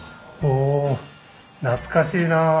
お懐かしいなあ。